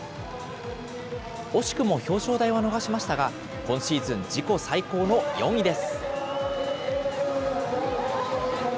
惜しくも表彰台は逃しましたが、今シーズン自己最高の４位です。